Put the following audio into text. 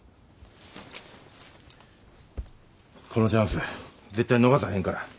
このチャンス絶対逃さへんから。